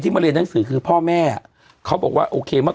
มาเรียนหนังสือคือพ่อแม่เขาบอกว่าโอเคมาก